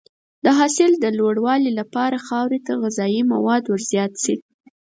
د حاصل د لوړوالي لپاره خاورې ته غذایي مواد ورزیات شي.